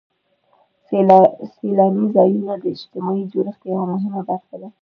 سیلاني ځایونه د اجتماعي جوړښت یوه مهمه برخه ده.